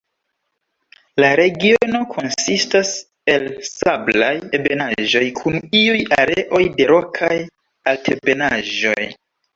La regiono konsistas el sablaj ebenaĵoj kun iuj areoj de rokaj altebenaĵoj.